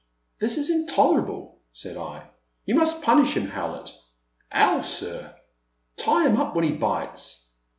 This is intolerable," said I; you must punish him, Howlett." '*'Ow, sir?" Tie him up when he bites.